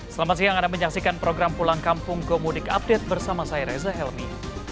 selamat siang anda menyaksikan program pulang kampung gomudik update bersama saya reza helmi